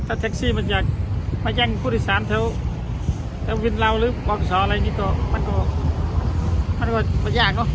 ที่เท็กซี่มาจากคนดีชาญที่วิชาวิทยาลักษณะ